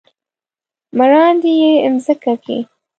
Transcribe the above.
مراندې يې مځکه کې ،